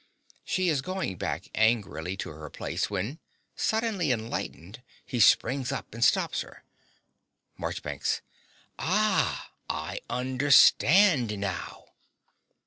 (She is going back angrily to her place, when, suddenly enlightened, he springs up and stops her.) MARCHBANKS. Ah, I understand now!